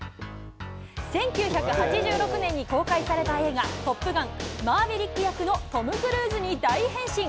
１９８６年に公開された映画、トップガン、マーヴェリック役のトム・クルーズに大変身。